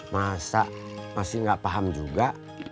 masa masih nggak paham juga